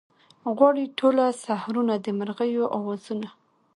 غواړي ټوله سحرونه د مرغیو اوازونه